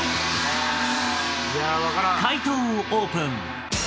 解答をオープン。